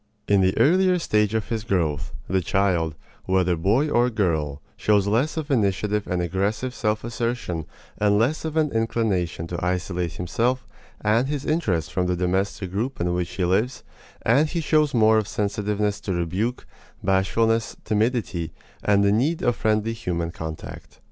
In the earlier stage of his growth, the child, whether boy or girl, shows less of initiative and aggressive self assertion and less of an inclination to isolate himself and his interests from the domestic group in which he lives, and he shows more of sensitiveness to rebuke, bashfulness, timidity, and the need of friendly human contact.